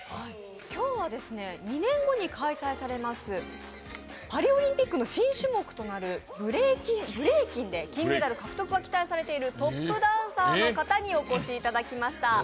今日は２年後に開催されますパリオリンピックの新種目となるブレイキンで金メダル獲得が期待されているトップダンサーの方にお越しいただきました。